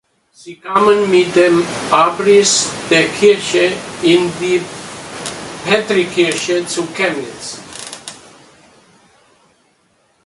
Sie kamen mit dem Abriss der Kirche in die Petrikirche zu Chemnitz.